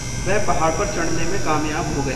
वह पहाड़ पर चढ़ने में कामयाब हो गया।